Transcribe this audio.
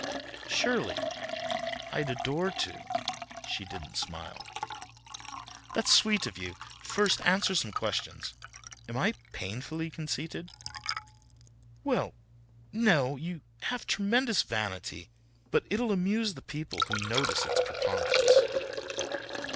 "Surely, I'd adore to." She didn't smile. "That's sweet of you. First answer some questions. Am I painfully conceited?" "Well—no, you have tremendous vanity, but it'll amuse the people who notice its preponderance."